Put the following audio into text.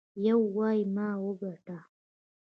يو وايي ما وګاټه.